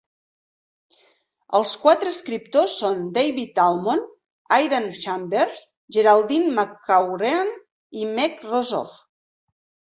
Els quatre escriptors són David Almond, Aidan Chambers, Geraldine McCaughrean i Meg Rosoff.